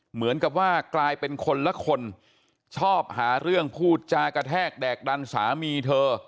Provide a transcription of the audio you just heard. เหมือนกับว่ากลายเป็นคนละคนชอบหาเรื่องพูดจากระแทกแดกดันสามีเธอ